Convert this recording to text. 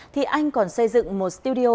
thì anh còn xây dựng một studio